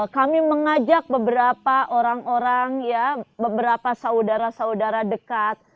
kami mengajak beberapa orang orang ya beberapa saudara saudara dekat